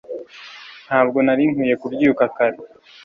ntabwo nari nkwiye kubyuka kare